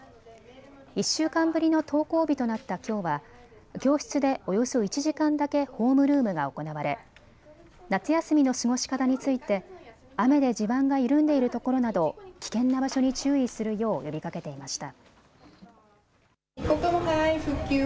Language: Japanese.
１週間ぶりの登校日となったきょうは教室でおよそ１時間だけホームルームが行われ夏休みの過ごし方について雨で地盤が緩んでいるところなど危険な場所に注意するよう呼びかけていました。